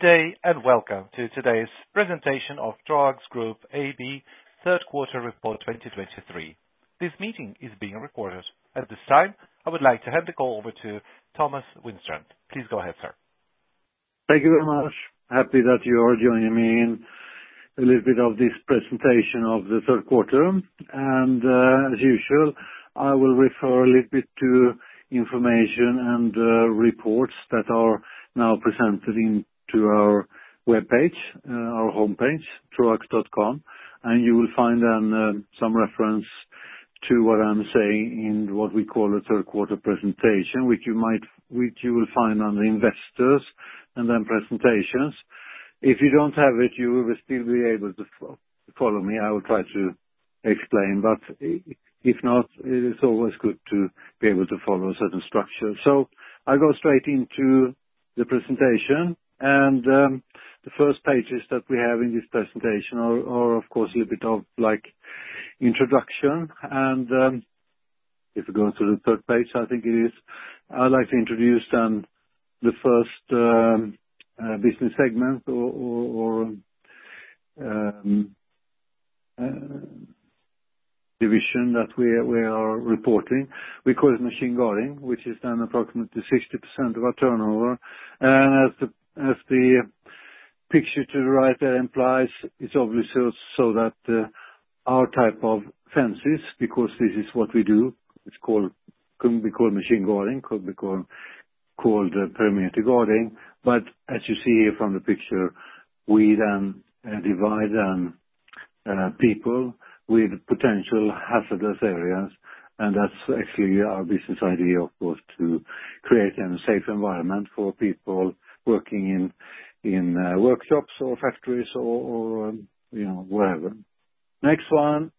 Good day, and welcome to today's presentation of Troax Group AB third quarter report 2023. This meeting is being recorded. At this time, I would like to hand the call over to Thomas Widstrand. Please go ahead, sir. Thank you very much. Happy that you are joining me in a little bit of this presentation of the third quarter. As usual, I will refer a little bit to information and reports that are now presented into our webpage, our homepage, troax.com, and you will find some reference to what I'm saying, in what we call a third quarter presentation, which you will find on the Investors, and then Presentations. If you don't have it, you will still be able to follow me. I will try to explain, but if not, it is always good to be able to follow a certain structure. I'll go straight into the presentation, and the first pages that we have in this presentation are, of course, a little bit of, like, introduction. If you go to the third page, I think it is, I'd like to introduce the first business segment or division that we are reporting. We call it machine guarding, which is approximately 60% of our turnover. As the picture to the right there implies, it's obviously so that our type of fences, because this is what we do, could be called machine guarding, could be called perimeter guarding. As you see from the picture, we then divide people with potential hazardous areas, and that's actually our business idea, of course, to create a safe environment for people working in workshops or factories or, you know, wherever. Next one,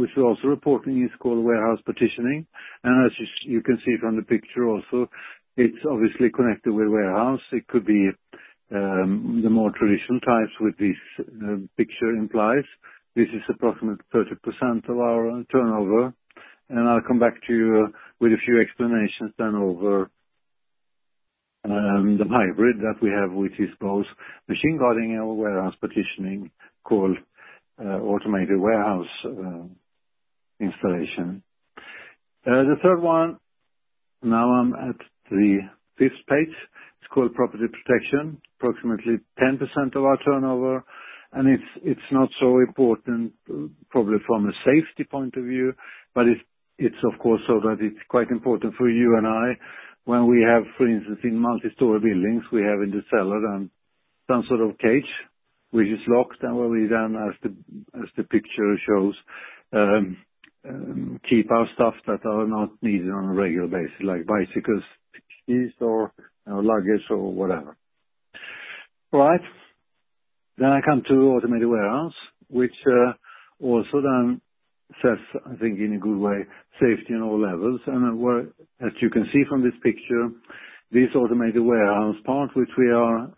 which we're also reporting, is called warehouse partitioning. As you can see from the picture also, it's obviously connected with warehouse. It could be the more traditional types, as this picture implies. This is approximately 30% of our turnover, and I'll come back to you with a few explanations then over the hybrid that we have, which is both machine guarding and warehouse partitioning, called automated warehouse installation. The third one, now I'm at the fifth page, it's called Property protection, approximately 10% of our turnover, and it's, it's not so important, probably from a safety point of view, but it's, it's of course, so that it's quite important for you and I, when we have, for instance, in multi-story buildings, we have in the cellar, some sort of cage, which is locked, and where we then, as the picture shows, keep our stuff that are not needed on a regular basis, like bicycles, skis, or, luggage or whatever. All right. Then I come to Automated warehouse, which, also then says, I think in a good way, safety on all levels. And where, as you can see from this picture, this automated warehouse part, which we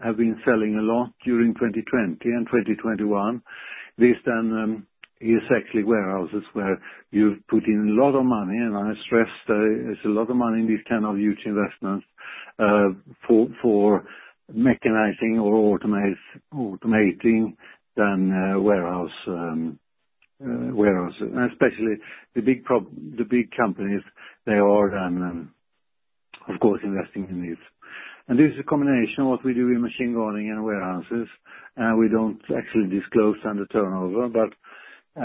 have been selling a lot during 2020 and 2021, this then is actually warehouses where you put in a lot of money. And I stress, there is a lot of money in these kind of huge investments, for mechanizing or automating the warehouse, warehouses, and especially the big companies, they are, of course, investing in this. And this is a combination of what we do in machine guarding and warehouses, and we don't actually disclose on the turnover, but,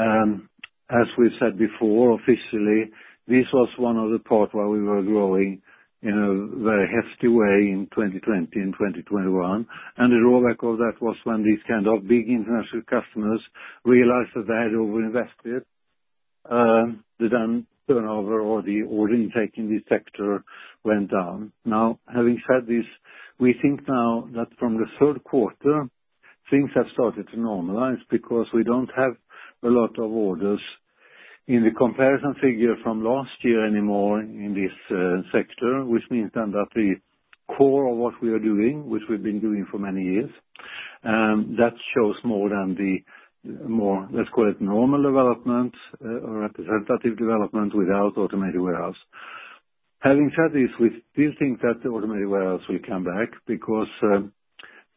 as we said before, officially, this was one of the parts where we were growing in a very hefty way in 2020 and 2021. The rollback of that was when these kind of big international customers realized that they had overinvested, the then turnover or the order intake in this sector went down. Now, having said this, we think now that from the third quarter, things have started to normalize, because we don't have a lot of orders in the comparison figure from last year anymore, in this sector. Which means then that the core of what we are doing, which we've been doing for many years, that shows more than the more, let's call it, normal development or representative development without automated warehouse. Having said this, we still think that the automated warehouse will come back, because,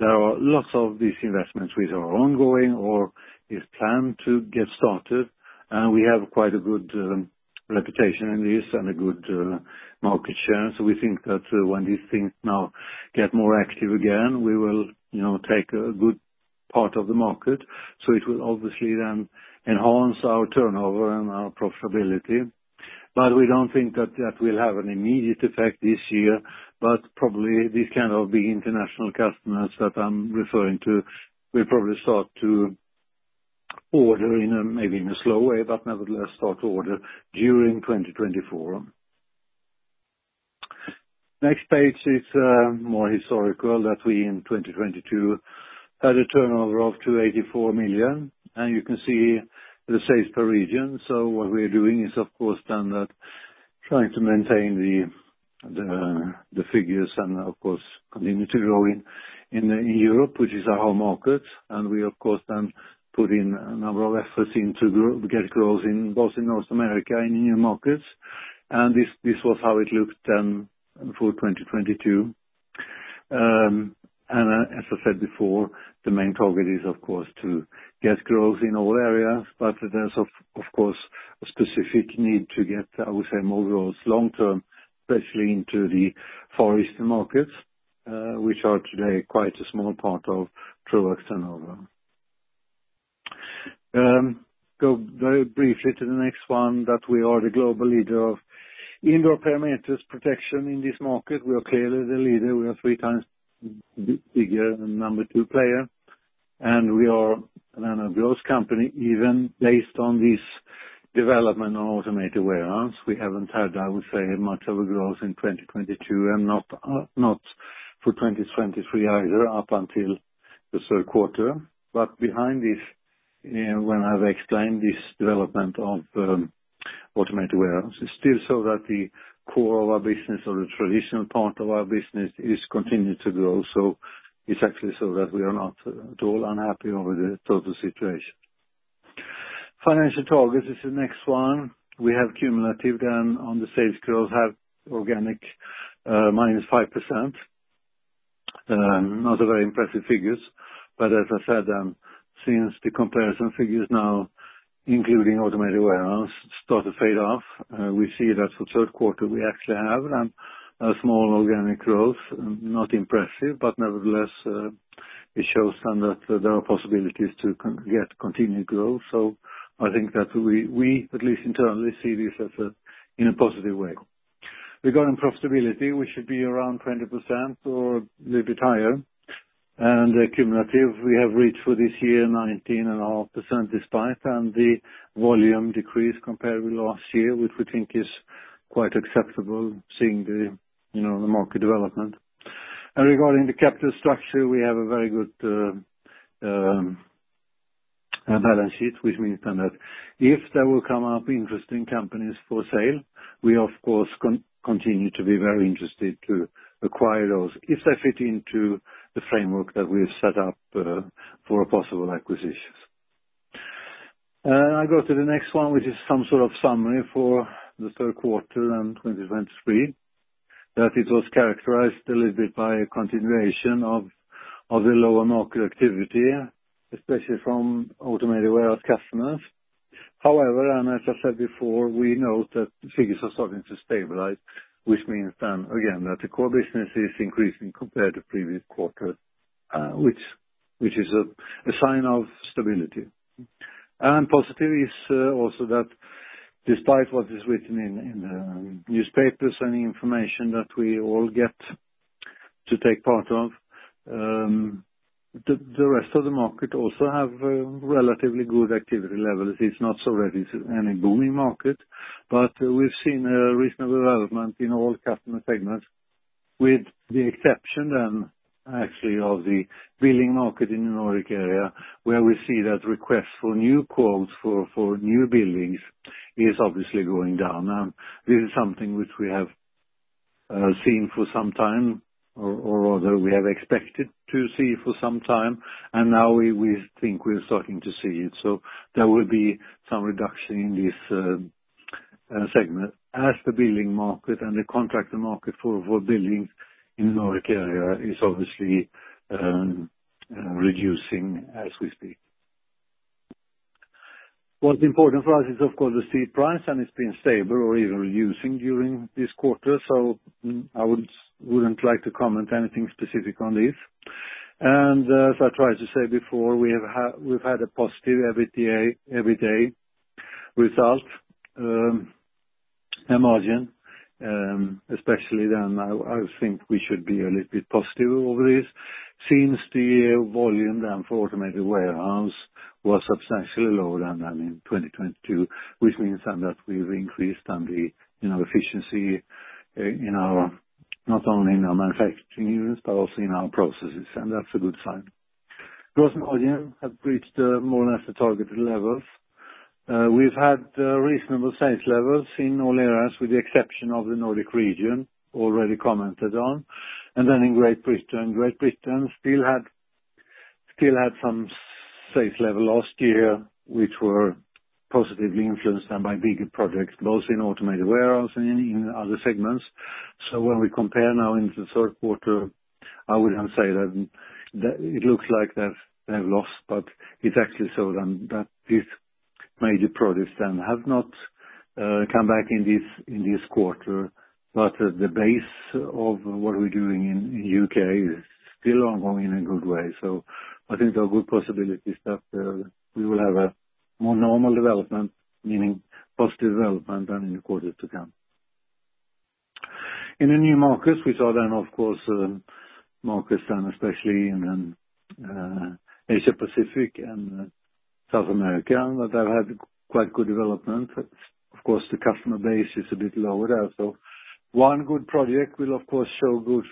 there are lots of these investments which are ongoing or is planned to get started, and we have quite a good, reputation in this and a good, market share. So we think that, when these things now get more active again, we will, you know, take a good part of the market. So it will obviously then enhance our turnover and our profitability, but we don't think that that will have an immediate effect this year, but probably these kind of big international customers that I'm referring to, will probably start to order in a, maybe in a slow way, but nevertheless, start to order during 2024. Next page is more historical, that we, in 2022, had a turnover of 284 million, and you can see the sales per region. So what we're doing is, of course, then that trying to maintain the figures and of course, continue to grow in Europe, which is our home market. And we, of course, then put in a number of efforts into get growth in, both in North America and in new markets. And this was how it looked for 2022. And as I said before, the main target is, of course, to get growth in all areas, but there's, of course, a specific need to get, I would say, more growth long term, especially into the Far Eastern markets, which are today quite a small part of Troax. Go very briefly to the next one, that we are the global leader of indoor perimeter protection. In this market, we are clearly the leader. We are three times bigger than number two player, and we are then a growth company, even based on this development of automated warehouse. We haven't had, I would say, much growth in 2022, and not for 2023 either, up until the third quarter. But behind this, when I've explained this development of automated warehouse, it's still so that the core of our business or the traditional part of our business is continuing to grow. So it's actually so that we are not at all unhappy over the total situation. Financial targets is the next one. We have cumulative, then on the sales growth, have organic, minus 5%. Not a very impressive figures, but as I said, since the comparison figures now including automated warehouse start to fade off, we see that for third quarter we actually have a small organic growth. Not impressive, but nevertheless, it shows that there are possibilities to get continued growth. So I think that we, we at least internally, see this as a, in a positive way. Regarding profitability, we should be around 20% or a little bit higher. And cumulative, we have reached for this year 19.5%, despite and the volume decrease compared with last year, which we think is quite acceptable, seeing the, you know, the market development. Regarding the capital structure, we have a very good balance sheet, which means then that if there will come up interesting companies for sale, we of course continue to be very interested to acquire those, if they fit into the framework that we've set up for possible acquisitions. I go to the next one, which is some sort of summary for the third quarter in 2023, that it was characterized a little bit by a continuation of the lower market activity, especially from automated warehouse customers. However, and as I said before, we note that the figures are starting to stabilize, which means then, again, that the core business is increasing compared to previous quarter, which is a sign of stability. Positive is, also that despite what is written in newspapers and information that we all get to take part of, the rest of the market also have relatively good activity levels. It's not really any booming market, but we've seen a reasonable development in all customer segments, with the exception, actually, of the building market in the Nordic area, where we see that requests for new quotes for new buildings is obviously going down. This is something which we have seen for some time, or that we have expected to see for some time, and now we think we're starting to see it. There will be some reduction in this segment as the building market and the contractor market for buildings in the Nordic area is obviously reducing as we speak. What's important for us is, of course, the steel price, and it's been stable or even reducing during this quarter, so, I wouldn't like to comment anything specific on this. And, as I tried to say before, we've had a positive EBITDA result and margin, especially then I think we should be a little bit positive over this. Since the volume then for automated warehouse was substantially lower than in 2022, which means then that we've increased on the, you know, efficiency in our, not only in our manufacturing units, but also in our processes, and that's a good sign. Gross margin have reached more or less the targeted levels. We've had reasonable sales levels in all areas, with the exception of the Nordic region, already commented on. In Great Britain, Great Britain still had, still had some sales level last year, which were positively influenced, by bigger projects, both in automated warehouse and in other segments. When we compare now into the third quarter, I wouldn't say that, that it looks like they've, they've lost, but it's actually so then, that this major projects then have not, come back in this, in this quarter. The base of what we're doing in, in U.K. is still ongoing in a good way. I think there are good possibilities that, we will have a more normal development, meaning positive development, in the quarters to come. In the new markets, we saw then, of course, markets, especially in, Asia Pacific and South America, that they've had quite good development. Of course, the customer base is a bit lower there, so one good project will of course show good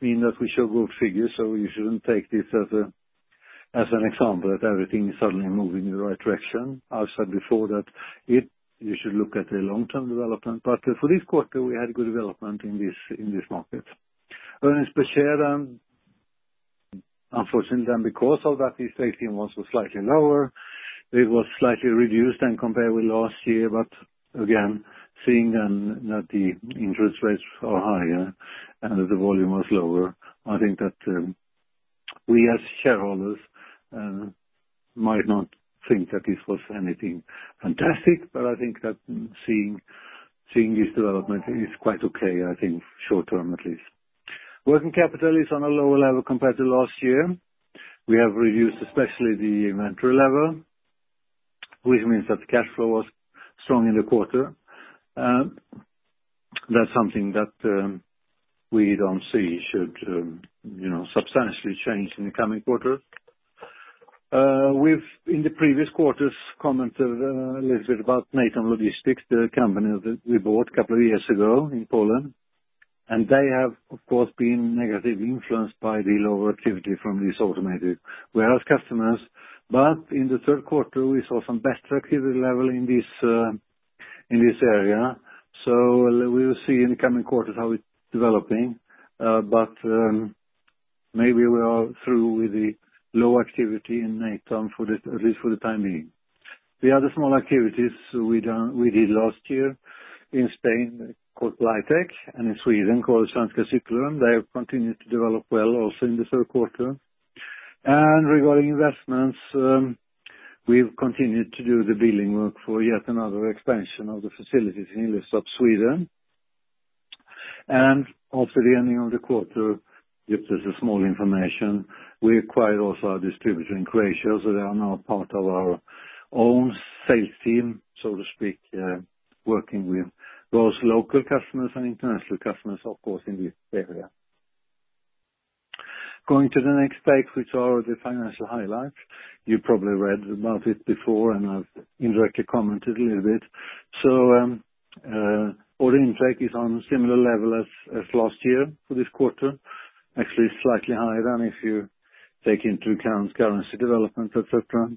mean that we show good figures, so you shouldn't take this as an example, that everything is suddenly moving in the right direction. I've said before that if you should look at the long-term development, but for this quarter, we had good development in this, in this market. Earnings per share. Unfortunately, then because of that, the sales team was slightly lower. It was slightly reduced than compared with last year, but again, seeing that the interest rates are higher and that the volume was lower, I think that we as shareholders might not think that this was anything fantastic, but I think that seeing, seeing this development is quite okay, I think, short term, at least. Working capital is on a lower level compared to last year. We have reduced especially the inventory level, which means that the cash flow was strong in the quarter. That's something that we don't see should you know substantially change in the coming quarter. We've, in the previous quarters, commented a little bit about Natom Logistic, the company that we bought a couple of years ago in Poland, and they have, of course, been negatively influenced by the lower activity from these automated warehouse customers. But in the third quarter, we saw some better activity level in this area. So we will see in the coming quarters how it's developing. But maybe we are through with the low activity in Natom for this, at least for the time being. The other small activities we did last year in Spain, called Claitec, and in Sweden, called Svenska Cykelrum, they have continued to develop well also in the third quarter. Regarding investments, we've continued to do the building work for yet another expansion of the facilities in Ljusdal, Sweden. Also, the ending of the quarter, just as a small information, we acquired also our distributor in Croatia, so they are now part of our own sales team, so to speak, working with those local customers and international customers, of course, in this area. Going to the next page, which are the financial highlights. You probably read about it before, and I've indirectly commented a little bit. Order intake is on a similar level as last year for this quarter, actually slightly higher than if you take into account currency development, et cetera.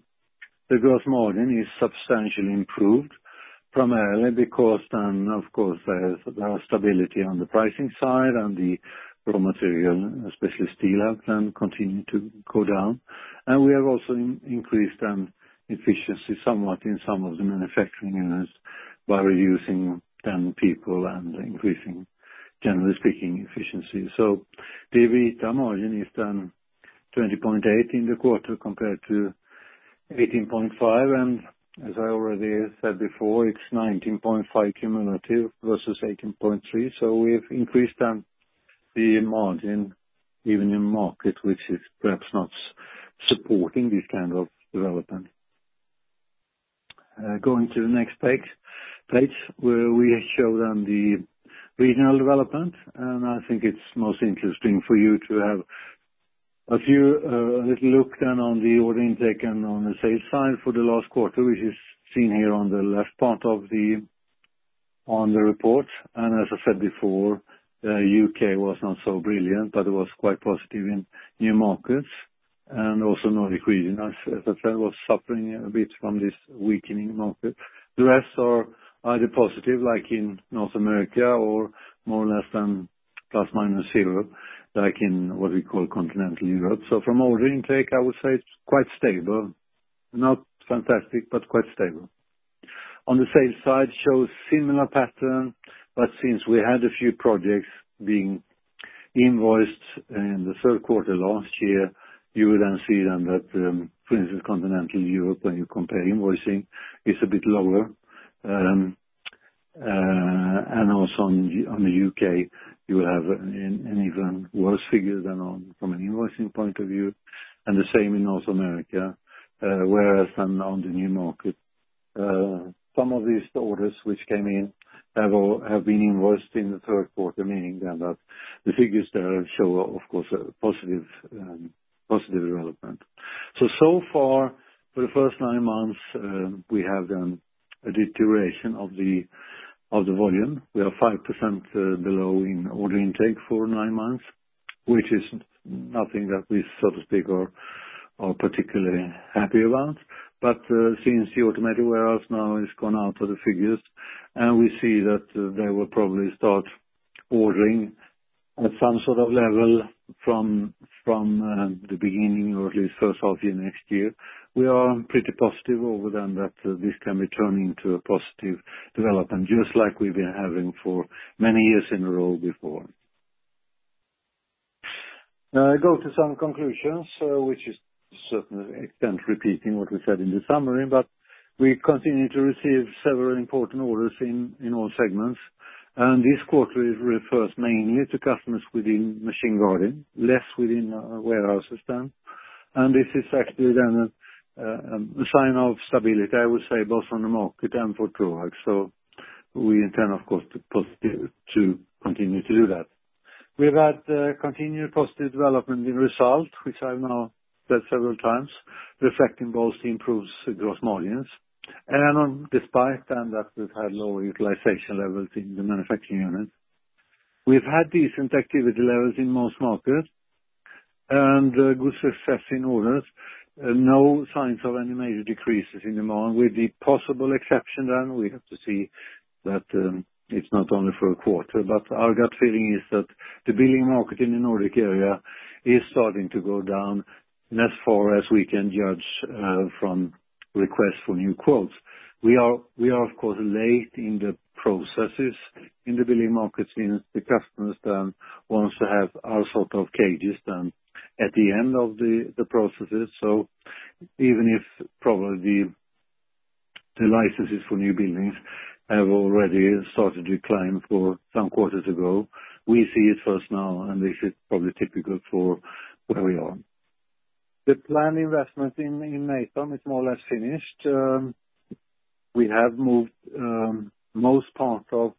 The gross margin is substantially improved, primarily because then, of course, there's now stability on the pricing side, and the raw material, especially steel, have then continued to go down. We have also increased efficiency somewhat in some of the manufacturing units by reducing then people and increasing, generally speaking, efficiency. The EBITDA margin is down 20.8% in the quarter compared to 18.5%, and as I already said before, it's 19.5% cumulative versus 18.3%. We've increased the margin even in market, which is perhaps not supporting this kind of development. Going to the next page, where we show then the regional development, and I think it's most interesting for you to have a few, a little look down on the order intake and on the sales side for the last quarter, which is seen here on the left part of the, on the report. And as I said before, the U.K. was not so brilliant, but it was quite positive in new markets and also Nordic region, as I said, was suffering a bit from this weakening market. The rest are either positive, like in North America, or more or less than plus or minus zero, like in what we call Continental Europe. So from order intake, I would say it's quite stable. Not fantastic, but quite stable. On the sales side, shows similar pattern, but since we had a few projects being invoiced in the third quarter last year, you will then see that, for instance, Continental Europe, when you compare invoicing, is a bit lower. And also on the U.K., you have an even worse figure than on from an invoicing point of view, and the same in North America. Whereas, on the new market, some of these orders which came in have been invoiced in the third quarter, meaning then that the figures there show, of course, a positive, positive development. So, so far, for the first nine months, we have done a deterioration of the volume. We are 5% below in order intake for nine months, which is nothing that we, so to speak, are particularly happy about. But since the automated warehouse now is gone out of the figures, and we see that they will probably start ordering at some sort of level from the beginning or at least first half year next year, we are pretty positive overall then that this can be turning to a positive development, just like we've been having for many years in a row before. Now, I go to some conclusions, which is certainly to some extent repeating what we said in the summary, but we continue to receive several important orders in all segments, and this quarter it refers mainly to customers within machine guarding, less within our warehouse system. This is actually then a, a sign of stability, I would say, both on the market and for Troax, so we intend, of course, to continue, to continue to do that. We've had continued positive development in result, which I've now said several times, reflecting both the improved gross margins and on despite then that we've had lower utilization levels in the manufacturing units. We've had decent activity levels in most markets and, good success in orders. No signs of any major decreases in demand, with the possible exception, then we have to see that, it's not only for a quarter, but our gut feeling is that the building market in the Nordic area is starting to go down, and as far as we can judge, from requests for new quotes. We are of course late in the processes in the building markets, means the customers then wants to have all sort of cages done at the end of the processes. So even if probably the licenses for new buildings have already started to decline for some quarters ago, we see it first now, and this is probably typical for where we are. The planned investment in Natom is more or less finished. We have moved most part of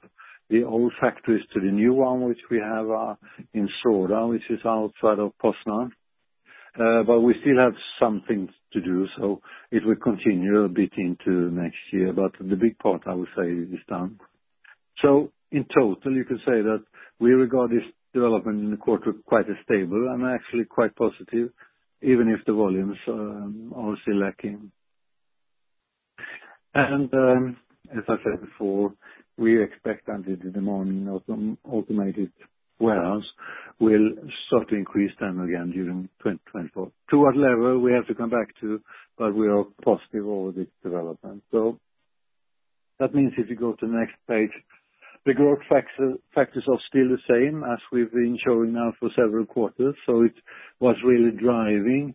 the old factories to the new one, which we have in Środa, which is outside of Poznań. But we still have some things to do, so it will continue a bit into next year. But the big part, I would say, is done. So in total, you could say that we regard this development in the quarter quite as stable and actually quite positive, even if the volumes are still lacking. And as I said before, we expect that the demand of some automated warehouse will start to increase then again during 2024. To what level, we have to come back to, but we are positive over this development. So that means if you go to the next page, the growth factors, factors are still the same as we've been showing now for several quarters. So it's what's really driving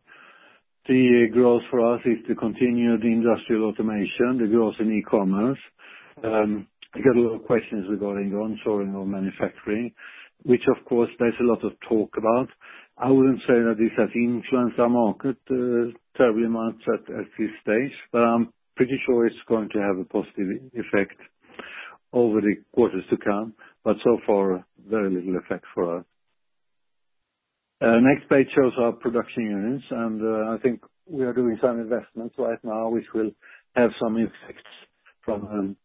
the growth for us, is to continue the industrial automation, the growth in e-commerce. I get a lot of questions regarding onshoring or manufacturing, which of course, there's a lot of talk about. I wouldn't say that this has influenced our market terribly much at this stage, but I'm pretty sure it's going to have a positive effect over the quarters to come. But so far, very little effect for us. Next page shows our production units, and I think we are doing some investments right now, which will have some effects from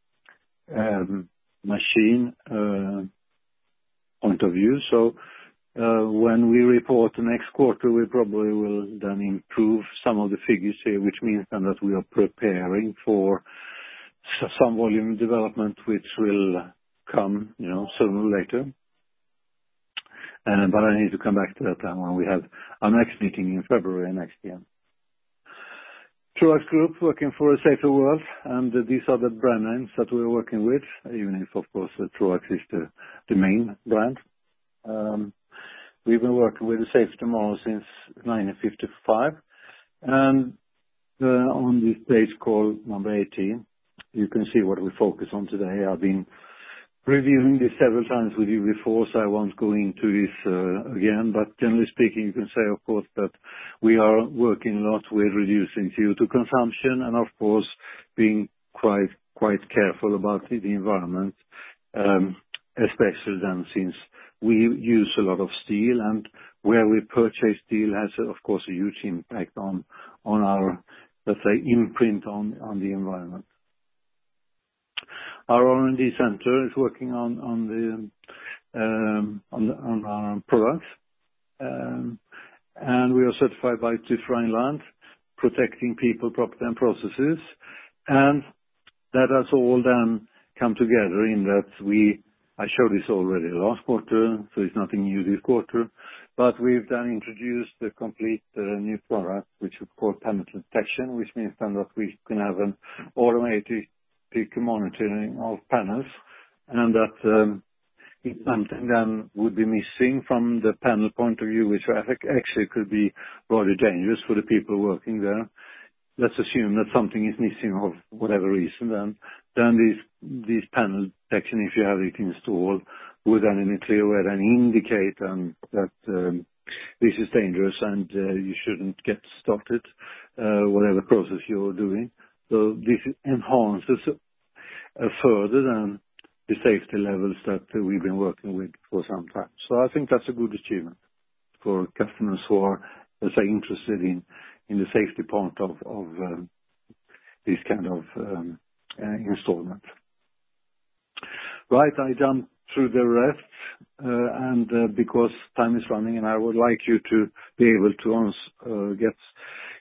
machine point of view. So when we report next quarter, we probably will then improve some of the figures here, which means then that we are preparing for some volume development, which will come, you know, sooner or later. But I need to come back to that when we have our next meeting in February next year. Troax Group, working for a safer world, and these are the brand names that we're working with, even if, of course, Troax is the main brand. We've been working with a safer tomorrow since 1955. On this page called number 18, you can see what we focus on today. I've been reviewing this several times with you before, so I won't go into this again. Generally speaking, you can say, of course, that we are working a lot with reducing CO2 consumption, and of course, being quite, quite careful about the environment, especially then, since we use a lot of steel, and where we purchase steel has, of course, a huge impact on our, let's say, imprint on the environment. Our R&D center is working on our products, and we are certified by TÜV Rheinland, protecting people, property, and processes. That has all then come together in that I showed this already last quarter, so it's nothing new this quarter, but we've then introduced a complete new product, which is called Panel Detection, which means then that we can have an automated peak monitoring of panels. And that, if something then would be missing from the panel point of view, which actually could be rather dangerous for the people working there. Let's assume that something is missing of whatever reason, then these Panel Detection, if you have it installed, would immediately aware and indicate that this is dangerous, and you shouldn't get started whatever process you're doing. So this enhances further than the safety levels that we've been working with for some time. So I think that's a good achievement for customers who are, let's say, interested in the safety part of this kind of installment. Right, I jump through the rest, and because time is running, and I would like you to be able to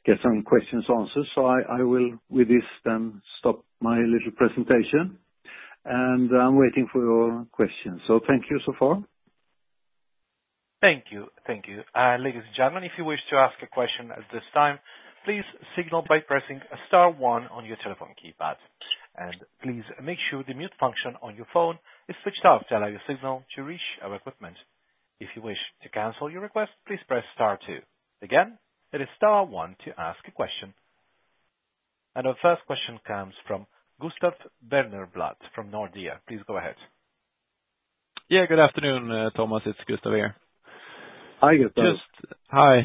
get some questions answered. So I will, with this then, stop my little presentation, and I'm waiting for your questions. So thank you so far. Thank you. Thank you. Ladies and gentlemen, if you wish to ask a question at this time, please signal by pressing star one on your telephone keypad. And please make sure the mute function on your phone is switched off to allow your signal to reach our equipment. If you wish to cancel your request, please press star two. Again, it is star one to ask a question. And our first question comes from Gustav Berneblad, from Nordea. Please go ahead. Yeah, good afternoon, Thomas. It's Gustav here. Hi, Gustav. Just hi.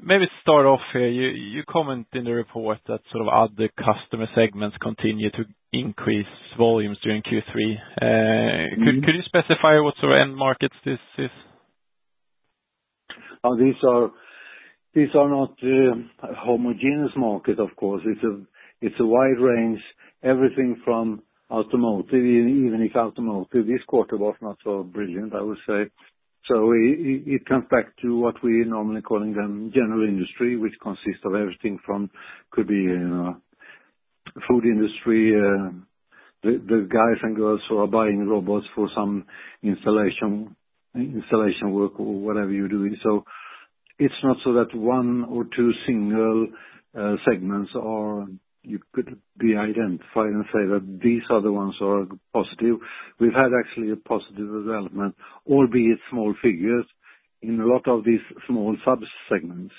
Maybe start off, you comment in the report that sort of other customer segments continue to increase volumes during Q3. Mm-hmm. Could you specify what sort of end markets this is? These are not homogeneous market, of course. It's a wide range, everything from automotive, even if automotive, this quarter was not so brilliant, I would say. So it comes back to what we normally calling them general industry, which consists of everything from, could be, food industry, the guys and girls who are buying robots for some installation work or whatever you're doing. So it's not so that one or two single segments are you could be identified and say that these are the ones who are positive. We've had actually a positive development, albeit small figures, in a lot of these small sub-segments,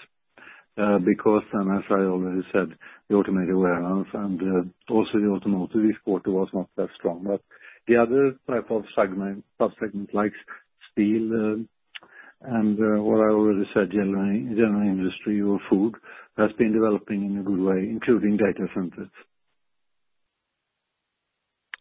because, and as I already said, the automated warehouse and also the automotive, this quarter was not that strong. But the other type of segment, sub-segments like steel, and what I already said, general industry or food, has been developing in a good way, including data centers.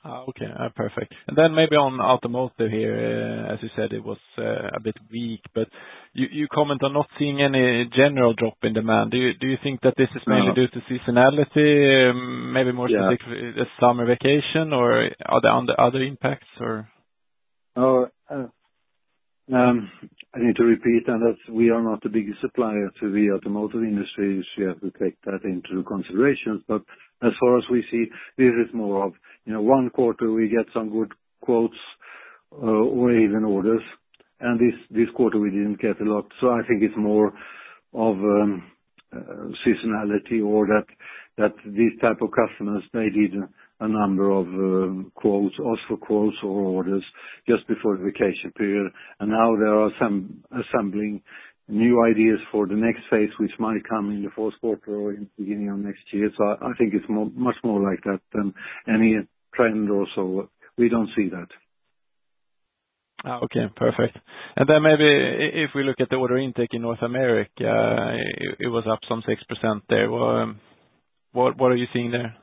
Ah, okay, perfect. And then maybe on automotive here, as you said, it was a bit weak, but you comment on not seeing any general drop in demand. Do you think that this is mainly- No Due to seasonality, maybe more- Yeah Specific, the summer vacation, or are there other impacts, or? No, I need to repeat, and that's we are not the biggest supplier to the automotive industry, so you have to take that into consideration. But as far as we see, this is more of, you know, one quarter, we get some good quotes, or even orders, and this, this quarter, we didn't get a lot. So I think it's more of, seasonality or that, that these type of customers, they need a number of, quotes, also quotes or orders just before the vacation period. And now there are some assembling new ideas for the next phase, which might come in the fourth quarter or in the beginning of next year. So I, I think it's much more like that than any trend or so. We don't see that. Ah, okay, perfect. And then maybe if we look at the order intake in North America, it was up some 6% there. What are you seeing there?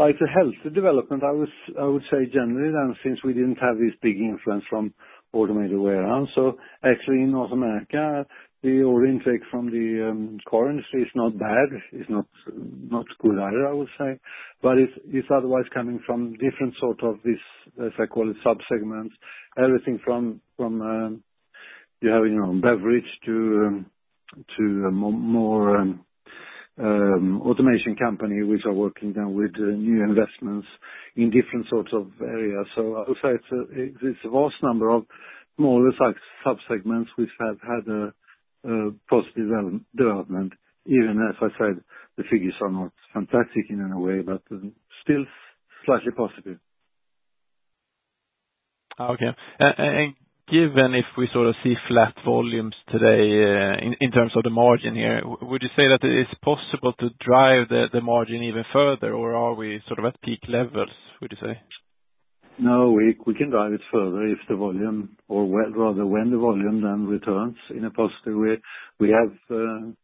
It's a healthy development. I would say generally, and since we didn't have this big influence from automated warehouse. Actually, in North America, the order intake from the currency is not bad, it's not good either, I would say. It's otherwise coming from different sort of this, as I call it, sub-segments. Everything from, you know, beverage to more automation company, which are working now with new investments in different sorts of areas. I would say it's a vast number of smaller sub-segments which have had a positive development, even if I said the figures are not fantastic in any way, but still slightly positive. Okay. And given if we sort of see flat volumes today, in terms of the margin here, would you say that it is possible to drive the margin even further, or are we sort of at peak levels, would you say? No, we can drive it further if the volume or when, rather when the volume then returns in a positive way. We have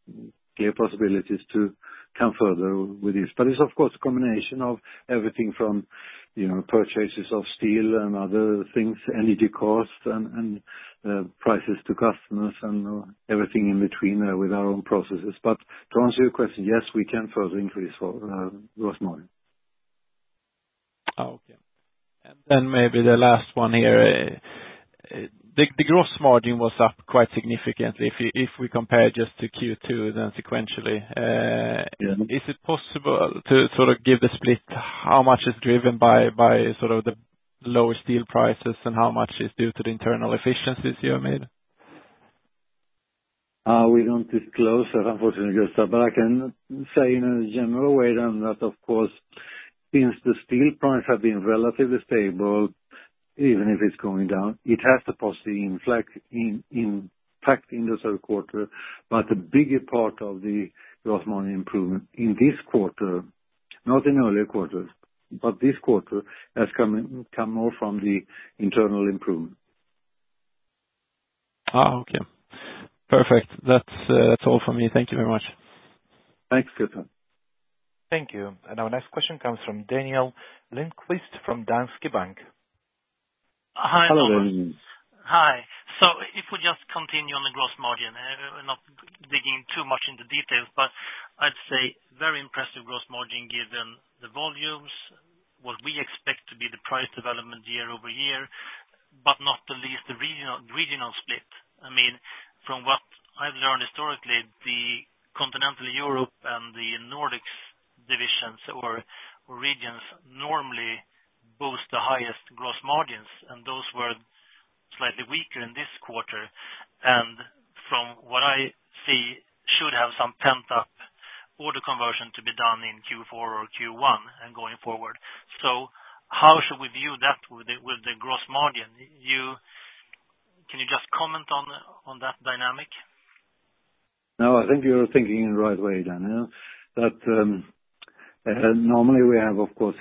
clear possibilities to come further with this. But it's of course a combination of everything from, you know, purchases of steel and other things, energy costs and prices to customers and everything in between with our own processes. But to answer your question, yes, we can further increase our gross margin. Okay. Then maybe the last one here. The gross margin was up quite significantly, if we compare just to Q2 than sequentially. Mm-hmm. Is it possible to sort of give the split, how much is driven by, by sort of the lower steel prices, and how much is due to the internal efficiencies you have made? We don't disclose that, unfortunately, but I can say in a general way, then, that of course, since the steel prices have been relatively stable, even if it's going down, it has the possibility to inflect in fact in this third quarter. But the bigger part of the gross margin improvement in this quarter, not in earlier quarters, but this quarter, has come more from the internal improvement. Ah, okay. Perfect. That's, that's all for me. Thank you very much. Thanks, Gustav. Thank you. And our next question comes from Daniel Lindkvist, from Danske Bank. Hello, Daniel. Hi. So if we just continue on the gross margin, we're not digging too much into details, but I'd say very impressive gross margin given the volumes, what we expect to be the price development year-over-year, but not the least, the regional split. I mean, from what I've learned historically, the Continental Europe and the Nordics divisions or regions normally boast the highest gross margins, and those were slightly weaker in this quarter. And from what I see, should have some pent-up order conversion to be done in Q4 or Q1 and going forward. So how should we view that with the gross margin? Can you just comment on that dynamic? I think you're thinking in the right way, Daniel. Normally we have, of course,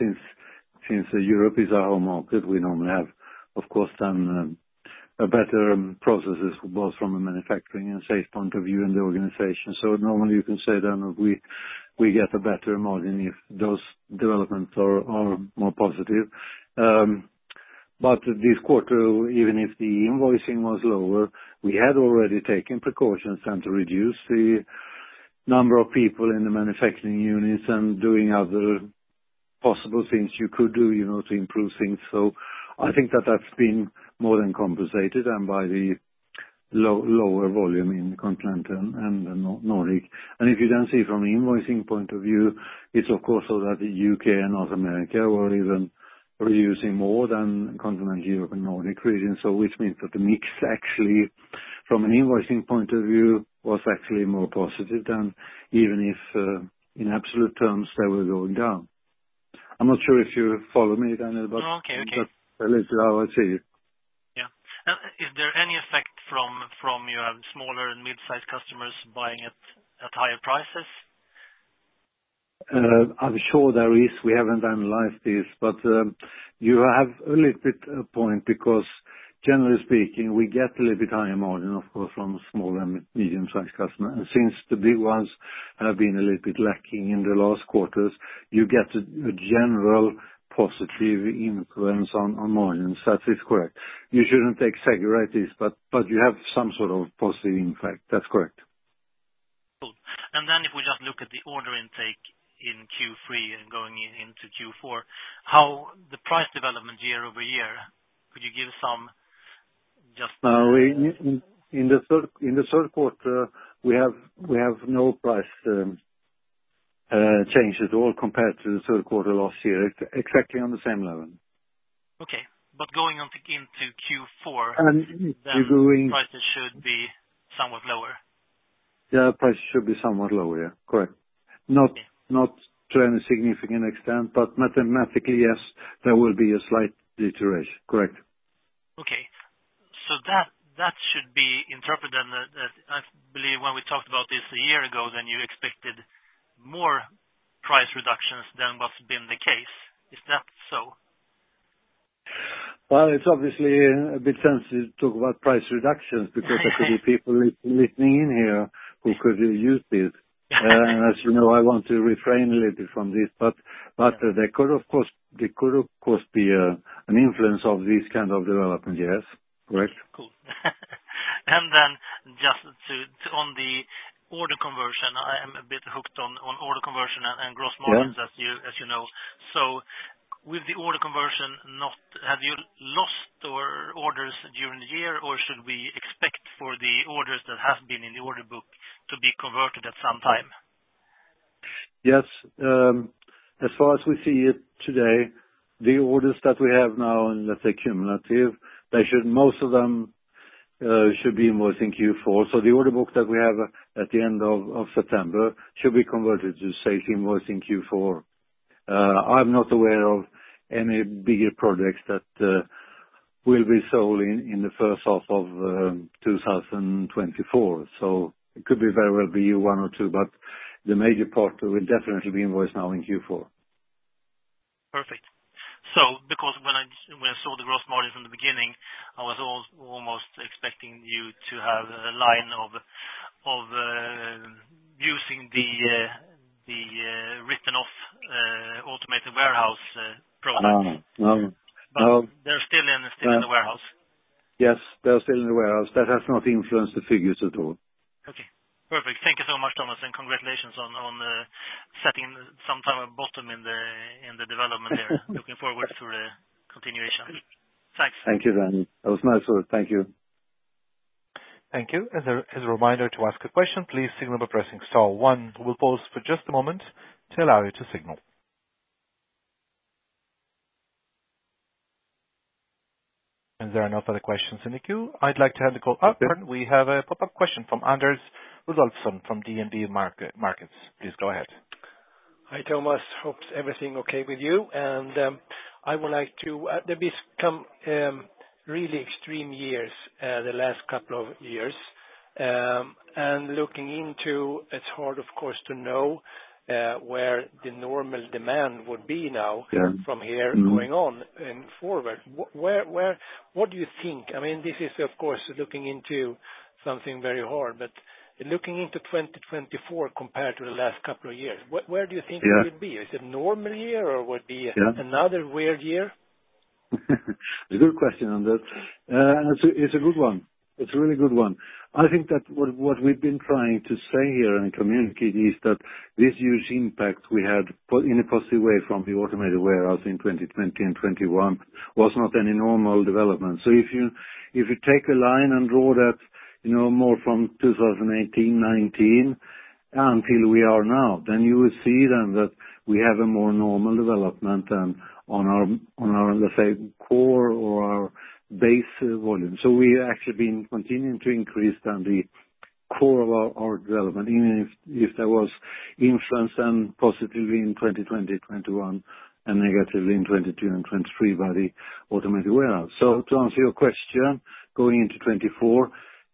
since Europe is our home market, we normally have, of course, some better processes, both from a manufacturing and sales point of view in the organization. Normally you can say, then, we get a better margin if those developments are more positive. This quarter, even if the invoicing was lower, we had already taken precautions to reduce the number of people in the manufacturing units and doing other possible things you could do, you know, to improve things. I think that that's been more than compensated by the lower volume in Continental and the Nordic. And if you then see it from an invoicing point of view, it's of course so that the U.K. and North America were even reducing more than Continental Europe and Nordic region. So which means that the mix, actually, from an invoicing point of view, was actually more positive than even if, in absolute terms, they were going down. I'm not sure if you follow me, Daniel, but- Okay, okay. That's at least how I see it. Yeah. Is there any effect from your smaller and mid-sized customers buying at higher prices? I'm sure there is. We haven't analyzed this, but you have a little bit point, because generally speaking, we get a little bit higher margin, of course, from small and medium-sized customers. And since the big ones have been a little bit lacking in the last quarters, you get a general positive influence on margins. That is correct. You shouldn't take, but you have some sort of positive impact. That's correct. Cool. And then if we just look at the order intake in Q3 and going into Q4, how the price development year-over-year, could you give some, just- In the third quarter, we have no price changes at all compared to the third quarter last year. Exactly on the same level. Okay, but going on into Q4. And we're going- Prices should be somewhat lower? Yeah. Prices should be somewhat lower, yeah. Correct. Okay. Not, not to any significant extent, but mathematically, yes, there will be a slight deterioration. Correct. Okay. So that should be interpreted then, that I believe when we talked about this a year ago, then you expected more price reductions than what's been the case. Is that so? Well, it's obviously a bit sensitive to talk about price reductions because there could be people listening in here who could use this. As you know, I want to refrain a little from this, but, but there could, of course, there could, of course, be an influence of this kind of development, yes. Correct. Cool. And then just to, on the order conversion, I am a bit hooked on order conversion and gross margins- Yeah As you know. So with the order conversion, have you lost orders during the year, or should we expect for the orders that have been in the order book to be converted at some time? Yes. As far as we see it today, the orders that we have now, in the cumulative, they should—most of them should be invoiced in Q4. So the order book that we have at the end of September should be converted to sales invoice in Q4. I'm not aware of any bigger projects that will be sold in the first half of 2024. So it could very well be one or two, but the major part will definitely be invoiced now in Q4. Perfect. So because when I saw the gross margin from the beginning, I was almost expecting you to have a line of using the written off automated warehouse product. Ah, no. No. But they're still in- Yeah Still in the warehouse? Yes, they're still in the warehouse. That has not influenced the figures at all. Okay. Perfect. Thank you so much, Thomas, and congratulations on setting some type of bottom in the development there. Looking forward to the continuation. Thanks. Thank you, Daniel. It was nice talk. Thank you. Thank you. As a reminder, to ask a question, please signal by pressing star one. We'll pause for just a moment to allow you to signal. There are no further questions in the queue. I'd like to have the call - oh, we have a pop-up question from Anders Rudolfsson, from DNB Markets. Please go ahead. Hi, Thomas. Hope everything okay with you, and I would like to. There's been some really extreme years, the last couple of years. And looking into, it's hard, of course, to know where the normal demand would be now- Yeah From here- Mm-hmm Going on forward. Where, where - what do you think? I mean, this is, of course, looking into something very hard, but looking into 2024 compared to the last couple of years, where, where do you think- Yeah It would be? Is it a normal year or would be- Yeah Another weird year? Good question, Anders. It's a good one. It's a really good one. I think that what we've been trying to say here and communicate is that this huge impact we had in a positive way, from the automated warehouse in 2020 and 2021, was not any normal development. So if you take a line and draw that, you know, more from 2018, 2019, until we are now, then you will see that we have a more normal development and on our, let's say, core or our base volume. So we've actually been continuing to increase on the core of our development, even if there was influence and positively in 2020, 2021, and negatively in 2022 and 2023 by the automated warehouse. So to answer your question, going into 2024,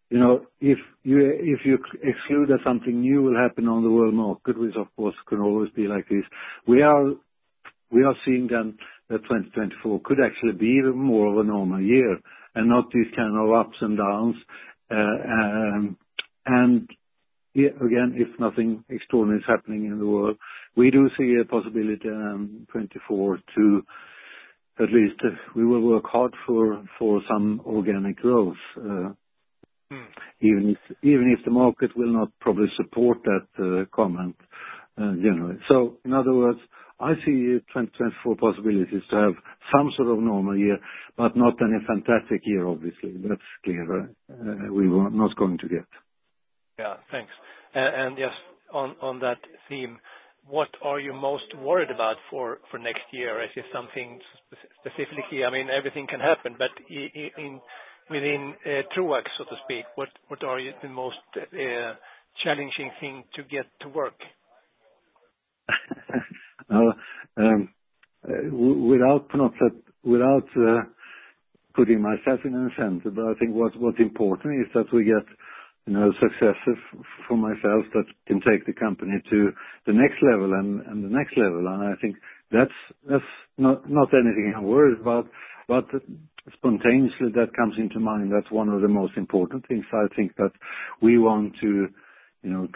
you know, if you exclude that something new will happen on the world market, which of course could always be like this, we are seeing that 2024 could actually be even more of a normal year, and not these kind of ups and downs. And again, if nothing extraordinary is happening in the world, we do see a possibility in 2024. At least, we will work hard for some organic growth, even if the market will not probably support that comment, generally. So in other words, I see 2024 possibilities to have some sort of normal year, but not any fantastic year, obviously. That's clear, we were not going to get. Yeah. Thanks. And just on that theme, what are you most worried about for next year? Is it something specifically? I mean, everything can happen, but in within Troax, so to speak, what are you the most challenging thing to get to work? Without putting myself in a center, but I think what's important is that we get, you know, successes for myself that can take the company to the next level and the next level. And I think that's not anything I'm worried about, but spontaneously, that comes into mind. That's one of the most important things. I think that we want to, you know,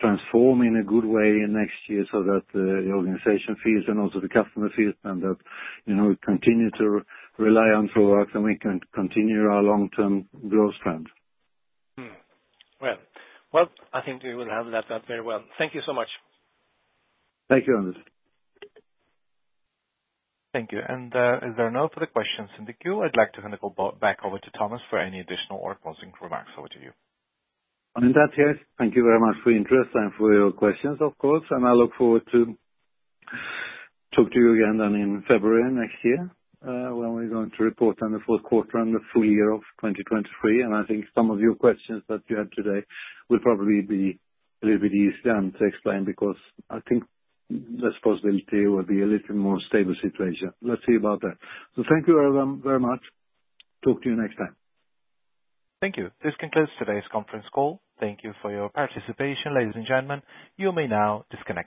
transform in a good way in next year, so that the organization feels and also the customer feels, and that, you know, we continue to rely on Troax, and we can continue our long-term growth trend. Well, well, I think we will have left that very well. Thank you so much. Thank you, Anders. Thank you. As there are no further questions in the queue, I'd like to hand it back over to Thomas for any additional or closing remarks. Over to you. In that case, thank you very much for your interest and for your questions, of course, and I look forward to talk to you again then in February next year, when we're going to report on the fourth quarter and the full year of 2023. And I think some of your questions that you had today will probably be a little bit easier then to explain, because I think this possibility will be a little more stable situation. Let's see about that. So thank you everyone, very much. Talk to you next time. Thank you. This concludes today's conference call. Thank you for your participation, ladies and gentlemen. You may now disconnect.